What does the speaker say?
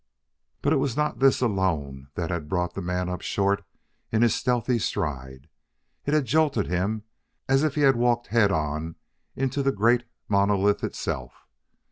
But it was not this alone that had brought the man up short in his stealthy stride: it had jolted him as if he had walked head on into the great monolith itself.